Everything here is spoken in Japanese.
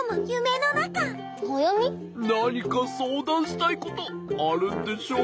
なにかそうだんしたいことあるんでしょう？